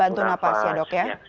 alat bantu nafas ya dok ya